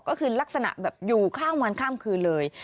ก็คือลักษณะแบบอยู่ข้ามวันข้ามคืนเลย